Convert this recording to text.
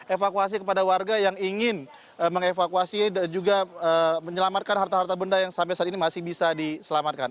evakuasi kepada warga yang ingin mengevakuasi dan juga menyelamatkan harta harta benda yang sampai saat ini masih bisa diselamatkan